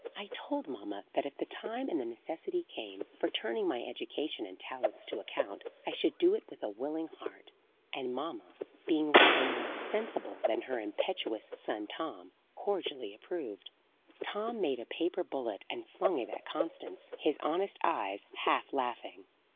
I told mamma that if the time and the necessity came for turning my education and talents to account, I should do it with a willing heart; and mamma, being rather more sensible than her impetuous son Tom, cordially approved." Tom made a paper bullet and flung it at Constance, his honest eyes half laughing.